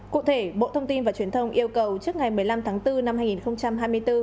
cụ thể bộ thông tin và truyền thông yêu cầu trước ngày một mươi năm tháng bốn năm hai nghìn hai mươi bốn